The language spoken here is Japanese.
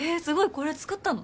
これ作ったの？